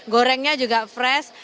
gorengnya juga fresh